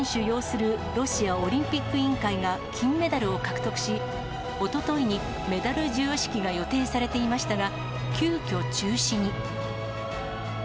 擁するロシアオリンピック委員会が金メダルを獲得し、おとといにメダル授与式が予定されていましたが、急きょ、中止に。